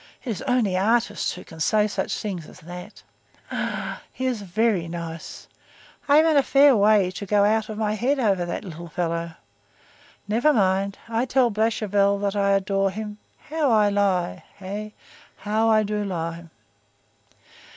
'_ It is only artists who can say such things as that. Ah! he is very nice. I am in a fair way to go out of my head over that little fellow. Never mind; I tell Blachevelle that I adore him—how I lie! Hey! How I do lie!"